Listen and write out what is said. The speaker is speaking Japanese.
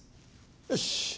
よし。